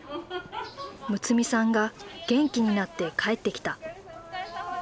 睦さんが元気になって帰ってきた。